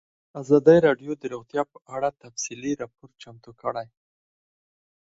ازادي راډیو د روغتیا په اړه تفصیلي راپور چمتو کړی.